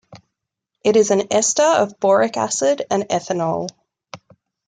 It is an ester of boric acid and ethanol.